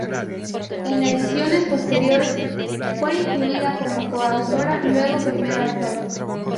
En ediciones posteriores, fue incluida como coautora, luego primer autor.